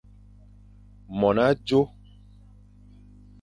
Mon azo.